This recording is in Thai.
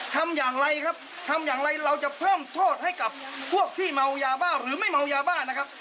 ทำอย่างไรครับทำอย่างไรเราจะเพิ่มโทษให้กับพวกที่เมายาบ้าหรือไม่เมายาบ้านะครับ